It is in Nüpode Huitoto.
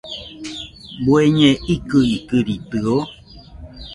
¿Bueñe ikɨikɨridɨo?